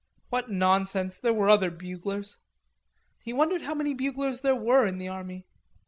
What nonsense! There were other buglers. He wondered how many buglers there were in the army.